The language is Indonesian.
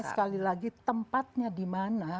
sekali lagi tempatnya di mana